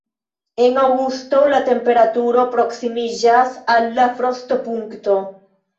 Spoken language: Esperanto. En aŭgusto la temperaturo proksimiĝas al la frostopunkto.